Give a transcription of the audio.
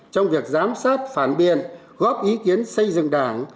trong việc giám sát phản biện góp ý kiến xây dựng đảng